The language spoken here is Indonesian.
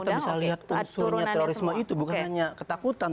tidak bisa kalau kita bisa lihat unsurnya terorisme itu bukan hanya ketakutan